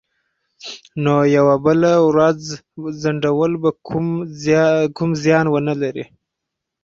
نو یوه بله ورځ ځنډول به کوم زیان ونه لري